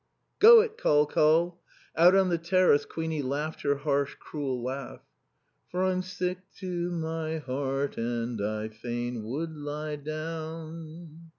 '" "Go it, Col Col!" Out on the terrace Queenie laughed her harsh, cruel laugh. "'For I'm sick to my heart and I fain would lie down.'"